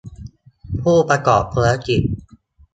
ผู้ประกอบธุรกิจ